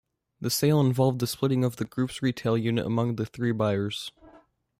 The sale involved the splitting of the group's retail unit among the three buyers.